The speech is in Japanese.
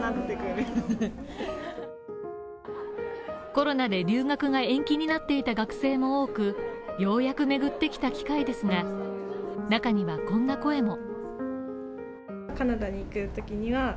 コロナで留学が延期になっていた学生も多く、ようやく巡ってきた機会ですが中にはこんな声も。